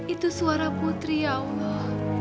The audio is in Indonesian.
itu suara putri ya allah